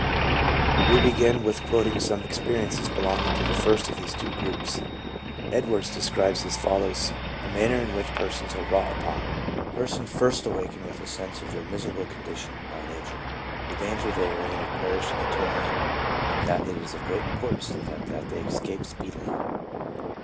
1 We begin with quoting some experiences belonging to the first of these two groups. Edwards describes as follows the manner in which persons are wrought upon :" Persons are first awakened with a sense of their miserable condition by 1 " Beecher's Biography," by Wm, 0. Beecher and Bev. S. Sco ville. 324 LEUBA : nature, the danger they are in of perishing eternally, and that it is of great importance to them that they escape speed ily."